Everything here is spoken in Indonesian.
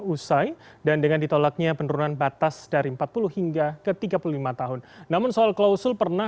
usai dan dengan ditolaknya penurunan batas dari empat puluh hingga ke tiga puluh lima tahun namun soal klausul pernah